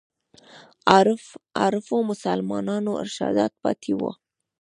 عارفو مسلمانانو ارشادات پاتې وو.